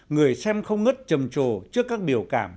người xem không ngất trầm trồ trước các biểu cảm